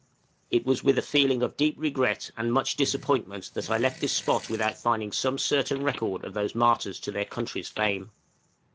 It was with a feeling of deep regret and much disappointment that I left this spot without finding some certain record of those martyrs to their country's fame.